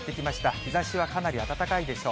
日ざしはかなり暖かいでしょう。